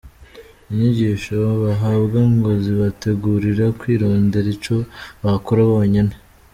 Inyigisho bahabwa ngo zibategurira kwironderera ico bakora bonyene.